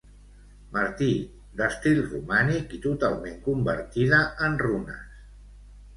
Martí, d'estil romànic i totalment convertida en runes.